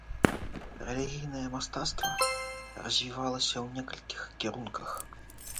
Рэлігійнае мастацтва развівалася ў некалькіх кірунках.